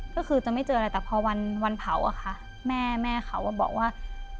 ก็คือจะไม่เจออะไรแต่พอวันเผาอะค่ะแม่แม่เขาบอกว่า